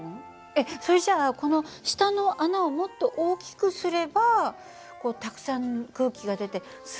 えっそれじゃあこの下の穴をもっと大きくすればこうたくさん空気が出てスムーズに滑っていくんじゃないの？